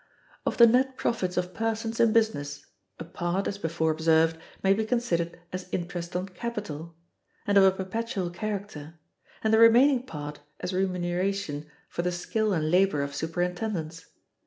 Of the net profits of persons in business, a part, as before observed, may be considered as interest on capital, and of a perpetual character, and the remaining part as remuneration for the skill and labor of superintendence.